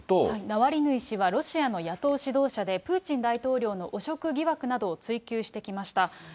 ナワリヌイ氏はロシアの野党指導者で、プーチン大統領の汚職疑惑などを追及してきました。